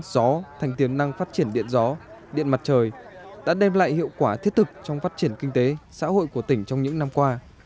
gió thành tiềm năng phát triển điện gió điện mặt trời đã đem lại hiệu quả thiết thực trong phát triển kinh tế xã hội của tỉnh trong những năm qua